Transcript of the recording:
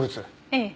ええ。